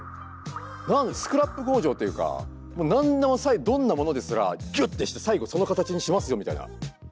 スクラップ工場っていうか何でもどんなものですらギュッてして最後その形にしますよみたいな。